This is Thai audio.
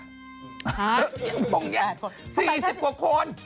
ฮะอย่างตรงนี้๔๐กว่าคน